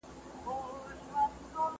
جنت د هغو خلګو ځای دی چي نیک کارونه کوي.